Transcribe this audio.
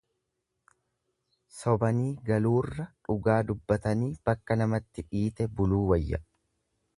Sobanii galuurra dhugaa dubbatanii bakka namatti dhiite buluu wayya.